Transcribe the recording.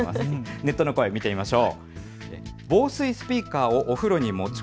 ネットの声、見てみましょう。